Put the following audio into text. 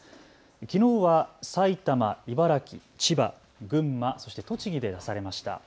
きのうは埼玉、茨城、千葉、群馬、そして栃木で出されました。